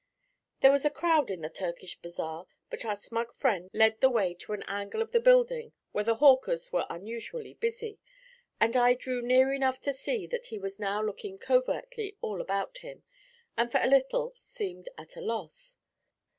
There was a crowd in the Turkish Bazaar, but our smug friend led the way to an angle of the building where the hawkers were unusually busy, and I drew near enough to see that he was now looking covertly all about him, and for a little seemed at a loss.